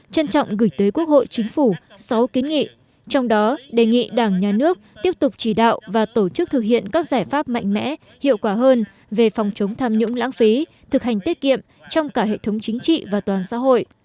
trân trọng gửi tới quốc hội chính phủ sáu kiến nghị trong đó đề nghị đảng nhà nước tiếp tục chỉ đạo và tổ chức thực hiện các giải pháp mạnh mẽ hiệu quả hơn về phòng chống tham nhũng lãng phí thực hành tiết kiệm trong cả hệ thống chính trị và toàn xã hội